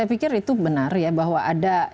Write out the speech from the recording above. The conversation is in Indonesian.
ya saya pikir itu benar ya bahwa ada indikatornya